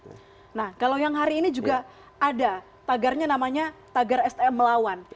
nah kalau yang hari ini juga ada tagarnya namanya tagar stm melawan